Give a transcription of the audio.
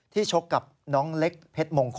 ที่ชกกับน้องเลคเพชรมงคล